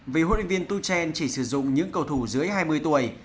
vì huấn luyện viên tuchen chỉ sử dụng những cầu thủ dưới hai mươi tuổi